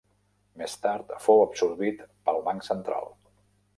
Més tard fou absorbit pel Banc Central.